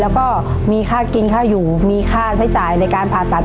แล้วก็มีค่ากินค่าอยู่มีค่าใช้จ่ายในการผ่าตัด